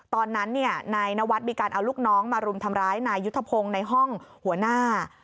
ตอนนั้นนายนวัฒน์มีการเอาลูกน้องมารุมทำร้ายนายยุทธพงศ์ในห้องหัวหน้า